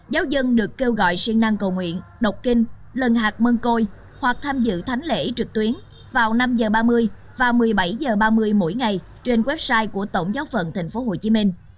giáo dân được kêu gọi siêng năng cầu nguyện đọc kinh lần hạt mân côi hoặc tham dự thánh lễ trực tuyến vào năm h ba mươi và một mươi bảy h ba mươi mỗi ngày trên website của tổng giáo phận tp hcm